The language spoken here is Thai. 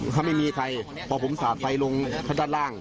ถ้าไม่มีใครพอผมสาดไฟลงด้านล่าง